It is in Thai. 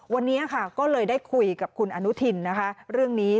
วันนี้ค่ะก็เลยได้คุยกับคุณอนุทินนะคะเรื่องนี้